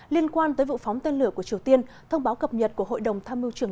liên quan tới vụ phóng tên lửa của triều tiên thông báo cập nhật của hội đồng tham mưu trưởng